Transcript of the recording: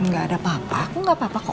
gak ada apa apa aku gak apa apa kok